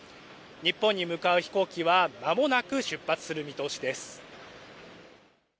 日本に向かう飛行機はまもなく出発する見通しです。